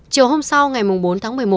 chiều hôm sau ngày bốn tháng một mươi một